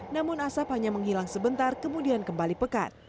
namun asap hanya menghilang sebentar kemudian kembali pekat